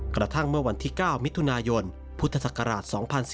กระทั่งเมื่อวันที่๙มิถุนายนพุทธศักราช๒๔๙